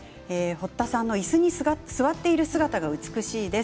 堀田さんの、いすに座っている姿が美しいです。